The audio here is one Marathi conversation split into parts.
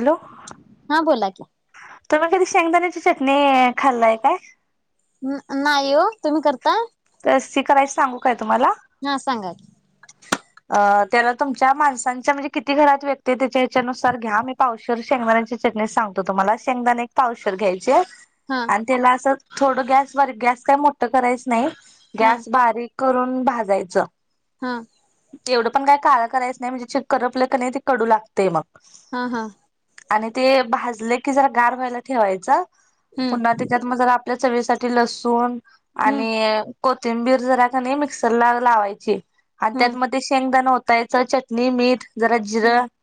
हॅलो हा बोला की. तुम्ही कधी शेंगदाण्याची चटणी खाल्लाय काय. नाही हो तुम्ही करता. तर ती करायच सांगू काय तुम्हाला. हा सांगात. अ त्याला तुमच्या माणसांच्या म्हणजे किती घरात व्यक्ती त्याच्या ह्याच्यानुसार घ्या. पावशवर शेंगदाणाची चटणी सांगतो तुम्हाला शेंगदाणे एक पावशवर घ्यायचे. हा. आणि त्याला अस थोड गॅस बारी गॅस काही मोठं करायचं नाही हा गॅस बारीक. करून भाजायचं. हा. तेवढं पण काय काळ करायचं नाही म्हणजे च करपलं क नाही ते कडू लागतेय मग. हा हा. आणि ते भाजले की जरा गार व्हायला ठेवायच हम्म पुन्हा. त्यात म जरा आपल्या चवीसाठी लसूण हम्म आणि. कोथिंबीर जरा का नाही मिक्सर ला लावायची. हम्म त्यातमध्ये शेंगदाणा होताय च चटणी मीठ जरा जिरं हा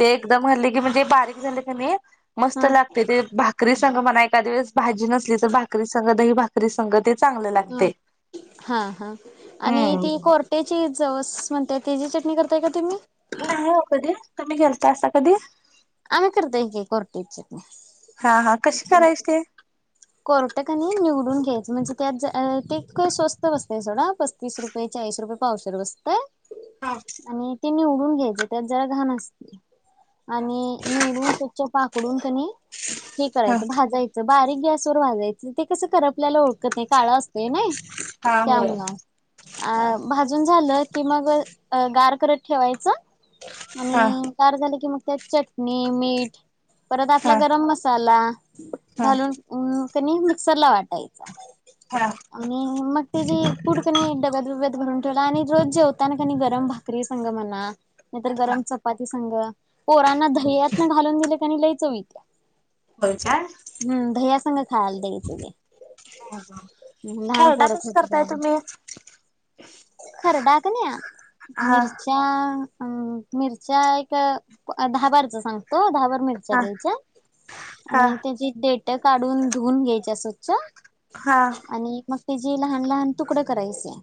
ते. एकदम हल्ली की म्हणजे बारीक झाले हा मस्त लागते ते. भाकरी संघ मला एखका दिवस भाजी नसली तर भाकरी संघ दही भाकरी संग ते. चांगलं ह लागते. हा हा आणि हम्म. ती कोर. तेची जवस म्हणते तेची चटणी करताय का तुम्ही. नाही हो कधी कम्ही घेलता असता कधी. आ्ही करतय का कोर्ट इचछित हा हा कशी नाही. करायची ते? कोरटकनी निवडून घ्यायचं म्हणजे त्यात ते स्वस्त बसतय सोडं. पस्तीस रुपये चाळीस रुपये पावसर बसतय. हा. आणि ते निवडून घ्यायचे त्यात जरा घाण असते आणि. निवडून स्वचछ पाकडून त्यां हे हा करायच. बारीक गॅस वर वाजायचं ते कस कर आपल्याला ओळत नाही काळा नाही हा होय त्यामु हा अून झालं ते मग गार करत ठेवायचं आणि हा कार झाले की मग त्यात चटणी मीठ परत हा आपला गरम मसाला हा घालून अ कनी मिक्सर ला वाटायचा हा आणि मग ते जी पुूढ कणी डब्यात बत भरून ठेवला आणि रोज जेवताना कनी गरम भ [unintelligible] झा लई चत बच्याार हम् दह्यासग खायला तेच ते लहान खेळडा पोरं कस करताय तुम्ही खरडाक हा नाही मिरचा अम मिरच्या एक दहाबारचा सांगतो दहाबार मिरच्या हा घ्यायच्या हा आणि त्या डेट काढून धून घ्याय स्वचछ हा आणि म हे जे लहान लहान तुकडं करायचे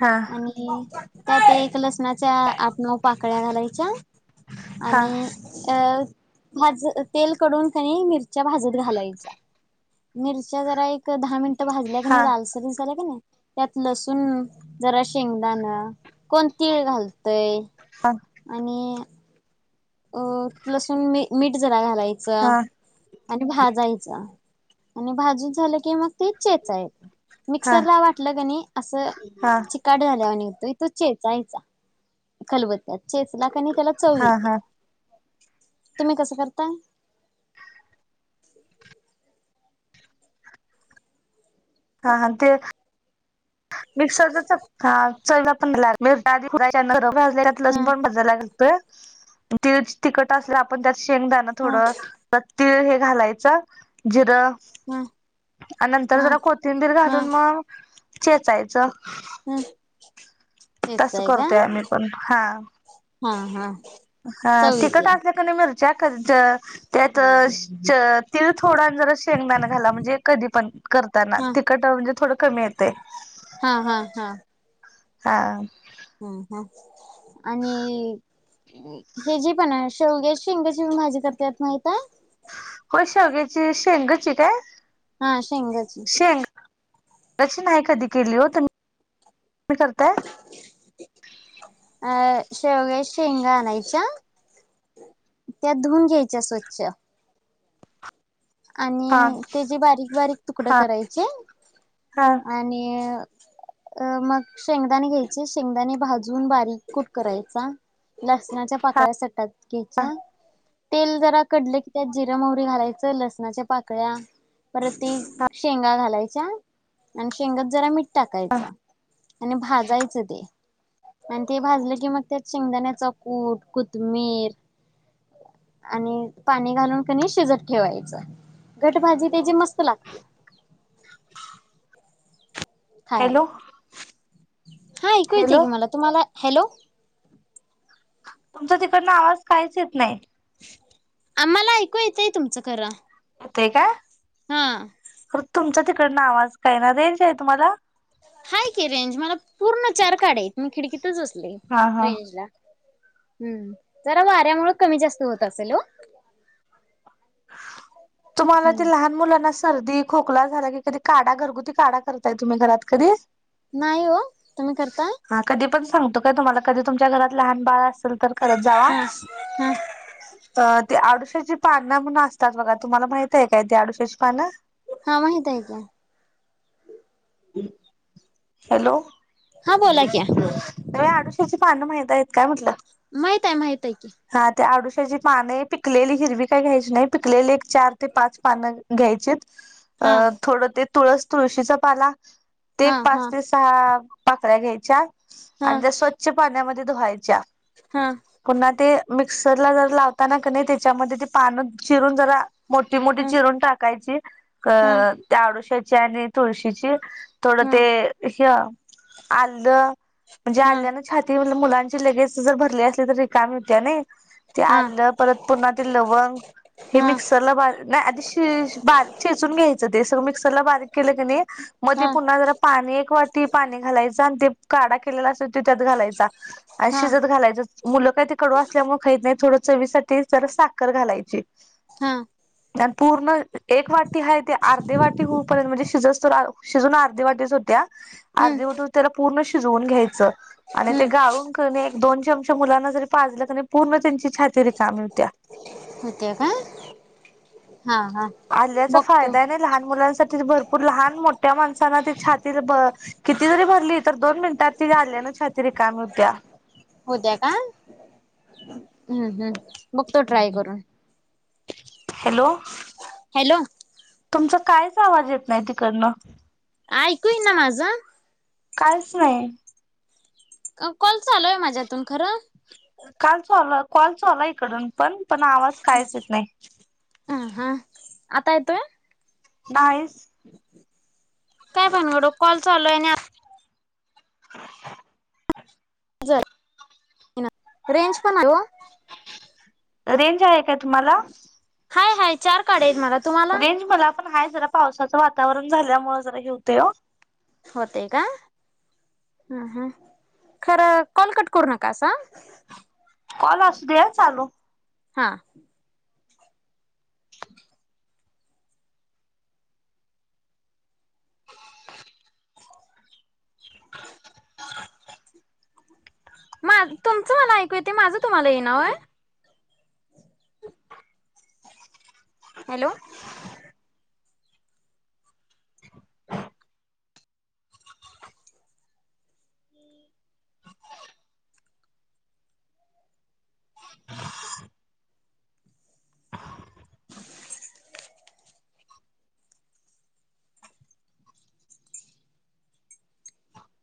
हा आणि त्यात एक लसणाच्या आपनव पाकळ्या घालायच्या हा हा आणि अ भाज तेल कडून क मिरच्या भाजत घालाय मिरच्या जरा एक दहा मिनट भाजल्या क नाही हा लालसरी झाल्या क नाही त्यात लसूण जरा शेंगदाान कोण तीळ घालतय हा आणि अ लसून मी मीठ जरा घालायचं हा आणि भाजायचं आणि भाजू झालं की मग ते चेचायेत हा मिक्सर ला वाटलं क नाही असं हा चिकाड झाल्यावर निघतो तो चेचायचा खलबत्त्या चेचला कनी त्याला चवीत्या हा तुम्ही कसं करताय हा हां ते मिक्सरचा हा चला पण आधजल्यात लसण हा पण भजयला लाग त तिकट असल्या आपण त्यात शेंगदाणं हा थोडं तर तळ हे घालायचं जिरं हा आणि नंतर हा जरा कोथिंबीर हा घालून मग चेचायचं हा तस चेचताय का करतोय आम्ही पण हा हा हा हा चव तिकट येत्या असल्या क नाही मिरच्या त्यात तिळ थोडा जरा शेंगदान घाला म्हणजे कधी पण करताना हा तिकट जे थोड कमी येते हा हा हा हा हम्म हम आणि हे जे पण आहे शौगे शिंगची म माझ्या करते माहित आहे हो शेग्याची शेंगाची काय हा शेंगाच लक्ष नाही आहे कधी केली हो तर म् करताय अ शेवगेश शेंगा आणायच्या त्यात धुऊन घ्यायच्या स्वच्छ हा आणि ते जे बारीक बारीक तुकड हा करायचे हा आणि अ मग शेंगदाणे घ्यायचे शेंगदाणे भाजून बारीक कुट करायचा लसणाच्या हा पाकळ्या सटातकीच्या तेल जरा कडलं की त्या जिर मोहरी घालायचं, लस पाकळ्या परत शेंगा घालायच्या, आणि शेंगात जरा मीठ टाकायच, आणि भाजायचं ते. आणि ते भाजलं की, मग त्यात शेंगदाण्याचा कूट कोथमीर, आणि पाणी घालून कनी, शिजत ठेवायचं. घटभाजी त्याची, मस्त लागते. [inaudible] खायाला, हॅलो हा ऐकू येते हॅलो की मला, तुम्हाला, हॅलो. तुमचा तिकडनं आवाज काहीच येत नाही. आम्हाला ऐकू येतंय, तुमचं खरं. ते का? हा. तर तुमचा तिकडनं आवाज काय ना रेजे, तुम्हाला. हाय की रेंज, मला पूर्ण चार काढायेत, मी खिडकीतच अससले हा हा रेंज ला. हम्म जरा वाऱ्यामुळे कमी जास्त होत असेल हो. तुम्हाला हो ते लहान मुलांना अस सर्दी खोकला झाला की, कधी काढा, घरगुती काढा करताय तुम्ही घरात कधी. नाही हो तुम्ही करता. हा कधी पण सांगतो काय तुम्हाला, कधी तुमच्या घरात लहान बाळ असेल तर करत जावा. हा हा अ ते आडुश्याची पानं म्हणून असतात बघा, तुम्हाला माहिते काय? ते आडुश्याची पानं. हा माहिते की. ह [inaudible] हॅलो, हा बोला की आडूशीची पानं माहित आहेत काय म्हटलं? माहित आहे, माहित आहेय की. हा त्या आडुश्याची पानय, पिकलेली हिरवी काय घ्यायची नाही, पिकलेली एक चार ते पाच पानं घ्यायची. हा अं थोडं ते तुळस, तुळशीचा पाला, ते एक हा पाच हा ते सहा पाकळ्या घ्यायच्या, हा आणि त्या स्वच्छ पाण्यामध्ये धुवायच्या, हा हा पुन्हा ते मिक्सरला जर लावताना, कनी त्याच्यामध्ये ते पान चिरून जरा, मोठी मोठी चिरून टाकायची, अ हा त्या आडुश्याची आणि तुळशीची थोडं ते हा हा ह आल्लं, म्हणजे हा आल्यान छाती मुलांची लगेज जर भरली असली तर रिकामी होत्या नय. ते हा आलं, परत पुन्हा ते लवंग. हे हा मिक्सरला बारीक सनाही आधी शे ब शेचून घ्यायचं, ते सगळं, मिक्सरला बारीक केलं कीनी, मग ते पुन्हा जरा, पाणी एक वाटी पाणी घालायचं, आणि ते काढा केलेला असे त त्यात घालायचा, आणि हा शिजत घालायच, मुलं काही त कडू असल्यामुळे खहीत नाही, थोडं चवीसाठी तर साखर घालायची, हा. आणि पूर्ण एक वाटी हाय, ते अर्धे वाटी होऊपर्यंत म्हणजे शिजसतोर शिजून अर्ध्या वाटेस होत्या, हम्म अर्ध्या वाटी त्याला पूर्ण शिजवून घ्यायचं, आणि ते हम्म गाळून एक दोनशे अंश मुलांना जरी पाजलं कीनी, पूर्ण त्यांची छाती रीकामि होत्या. होतेय का? हा हा. आल्याचा बघतो फायदाय नी, लहान मुलांसाठी भरपूर. पण लहान मोठ्या माणसालाना ते, छाती ति किती जरी भरली तर दोन मिनिटात ती झाल्यान छाती रीकामी होत्या. होत्या का? हम्म हम्म, बघतो ट्राय करून. हॅलो. हॅलो. तुमचा कायच आवाज येत नाही तिकडनं. ऐकूयय ना माझं. कालच नाही कॉल चालूय माझ्यातून खरं. कालच आ कॉलच आला इकडून पण पण आवाज. कायच येत नाही ह हा आता येतोय. ायस. काय भणगडो कॉल चालूय आणि. [unintelligible] रेंज पण आहे. रेंज आहे का तुम्हाला. हाय हाय चार कार्ड आहेत मला तुम्हाला. रेंज मला पण हा जरा पावसाचं वातावरण झाल्यामुळे जरा घेतेय. होते का ह खरं कॉलकट करू नका असा. कॉल असू दे चालू. हा मा तुमचं मला ऐकू येत ते माझं तुम्हाला ये नाय. हॅलो.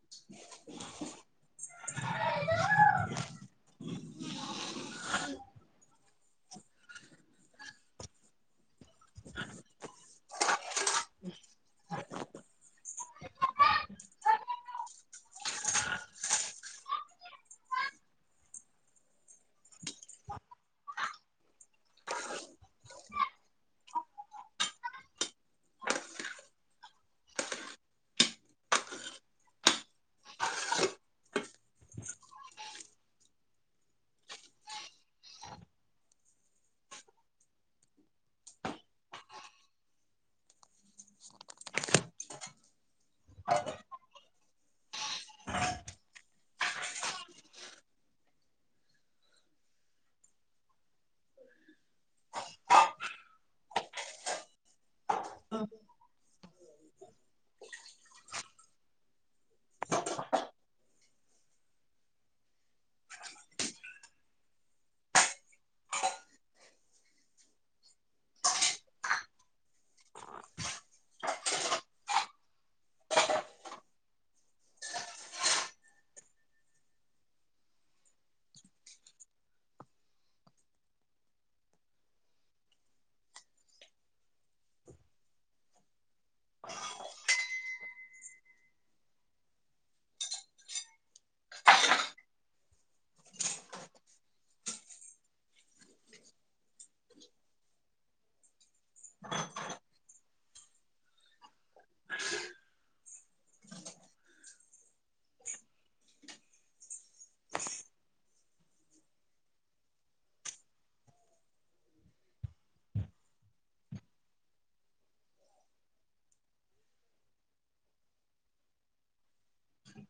[unintelligible] [unintelligible] ह हम् हो.